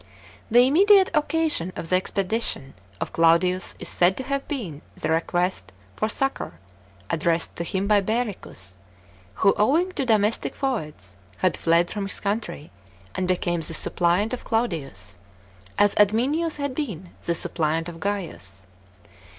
The immediate occasion of the expedition of Claudius is said to have been the request for succour addressed to him by Bericus, who, owing to domestic feuds, had fled from his country and became the suppliant of Claudius, as Adminius had been the suppliant of Gaius.